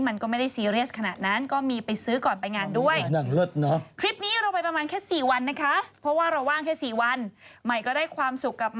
มันก็ไม่ได้ซีเรียสขนาดนั้นก็มีไปซื้อก่อนไปงานด้วย